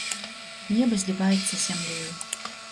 Неба зліваецца з зямлёю.